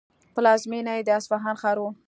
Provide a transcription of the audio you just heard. پلازمینه یې د اصفهان ښار و.